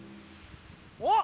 おっ！